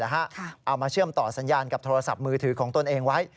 เอามาเชื่อมต่อสัญญาณกับโทรศัพท์มือถือของตนเองไว้